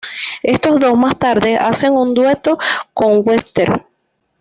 Estos dos, más tarde, hacen un dueto con Webster.